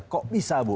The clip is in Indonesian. kok bisa bu